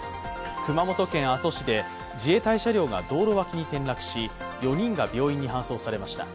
熊本県阿蘇市で自衛隊車両が道路脇に転落し４人が病院に搬送されました。